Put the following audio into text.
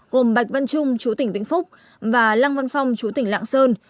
gồm bạch văn trung chú tỉnh vĩnh phúc và lăng văn phong chú tỉnh lạng sơn